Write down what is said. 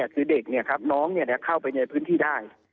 คือเด็กน้องเข้าไปในพื้นที่ได้